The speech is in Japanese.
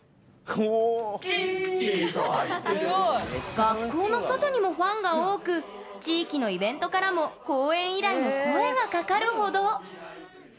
学校の外にもファンが多く地域のイベントからも公演依頼の声がかかるほど。